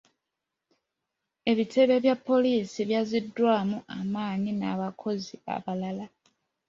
Ebitebe bya poliisi byazziddwamu amaanyi n'abakozi abalala.